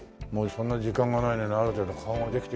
そんなに時間がないのにある程度顔ができてきてますからね。